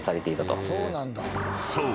［そう。